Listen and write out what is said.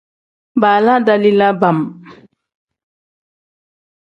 Baala dalila bam.